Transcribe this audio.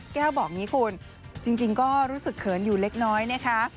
แก้วบอกอย่างนี้คุณจริงก็รู้สึกเขินอยู่เล็กน้อยนะคะ